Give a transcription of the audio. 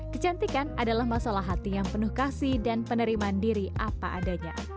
kecantikan adalah masalah hati yang penuh kasih dan penerimaan diri apa adanya